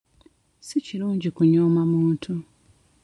Si kirungi kunyooma muntu.